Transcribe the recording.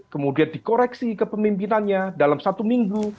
kemudian dikoreksi ke pemimpinannya dalam satu minggu